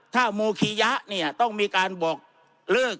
ถ้าโมคียะเนี่ยต้องมีการบอกเลิก